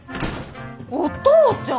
お父ちゃん。